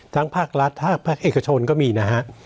ทั้งภาครัฐทั้งภาคเอกชนก็มีนะฮะ